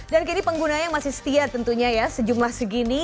dan kini penggunanya masih setia tentunya ya sejumlah segini